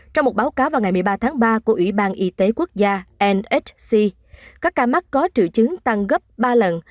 trong một báo cáo vào ngày một mươi ba tháng ba của ủy ban y tế quốc gia nsc các ca mắc có triệu chứng tăng gấp ba lần